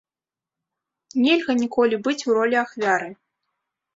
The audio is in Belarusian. Нельга ніколі быць у ролі ахвяры.